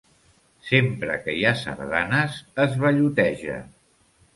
Sempre que hi ha sardanes es balloteja.